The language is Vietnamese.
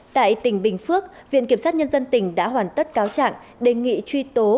tại tỉnh bình phước viện kiểm sát nhân dân tỉnh đã hoàn tất cáo trạng đề nghị truy tố